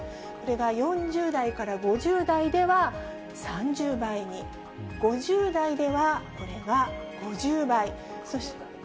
これが４０代から５０代では３０倍に、５０代ではこれが５０倍。